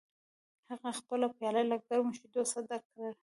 هغه خپله پیاله له ګرمو شیدو څخه ډکه کړه